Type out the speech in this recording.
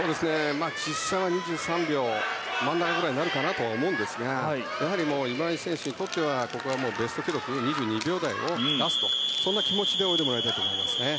２３秒真ん中くらいになるかなと思うんですがやはり、今井選手にとってはここはベスト記録２２秒台を出すという気持ちで泳いでもらいたいと思います。